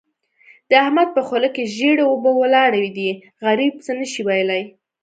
د احمد په خوله کې ژېړې اوبه ولاړې دي؛ غريب څه نه شي ويلای.